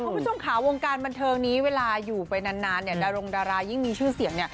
คุณผู้ชมค่ะวงการบันเทิงนี้เวลาอยู่ไปนานเนี่ยดารงดารายิ่งมีชื่อเสียงเนี่ย